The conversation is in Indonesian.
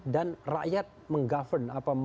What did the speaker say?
dan rakyat meng govern